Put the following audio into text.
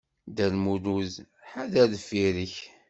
Dda Lmulud, ḥader deffir-k!